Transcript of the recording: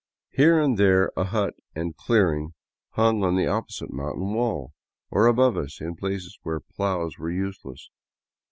Here and there a hut and clearing hung on the opposite mountain wall, or above us, in places where plows were useless.